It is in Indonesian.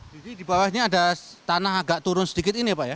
jadi di bawah ini ada tanah agak turun sedikit ini pak ya